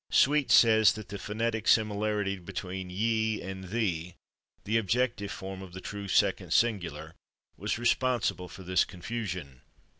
Sweet says that the phonetic similarity between /ye/ and /thee/, the objective form of the true second singular, was responsible for this confusion.